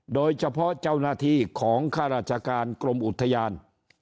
โดยเฉพาะเจ้าหน้าที่ของข้าราชการกรมอุทยาน